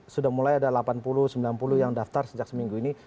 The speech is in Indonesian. sudah mulai ada delapan puluh sembilan puluh yang daftar sejak seminggu ini